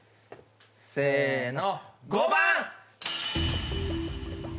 せーの５番！